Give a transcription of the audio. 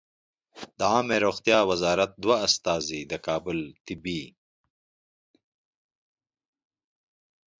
د عامې روغتیا وزارت دوه استازي د کابل طبي